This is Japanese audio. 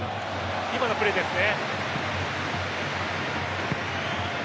今のプレーですね。